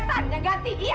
siapa yang mengganti dia